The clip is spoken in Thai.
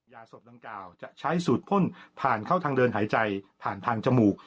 ยาศพดังกล่าวจะใช้สูตรพ่นผ่านเข้าทางเดินหายใจผ่านทางจมูก